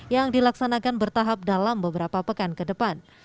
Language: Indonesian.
yang dilaksanakan bertahap dalam beberapa pekan ke depan